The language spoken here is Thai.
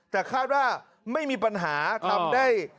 แต่คาดว่าไม่มีปัญหาทำได้